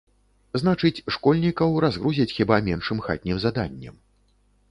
Значыць, школьнікаў разгрузяць хіба меншым хатнім заданнем.